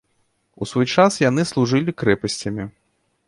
У свой час яны служылі крэпасцямі.